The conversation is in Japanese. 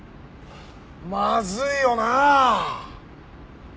まずいよなあ！